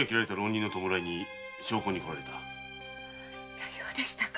さようでしたか。